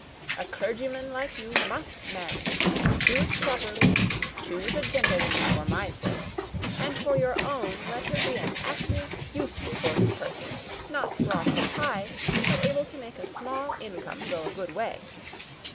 A clergyman like you must marry. Choose properly, choose a gentlewoman for my sake, and for your own; let her be an active, useful sort of person, not brought up high, but able to make a small income go a good way.